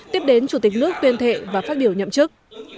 tiếp đến chủ tịch nước tuyên thệ và phát biểu nhậm chức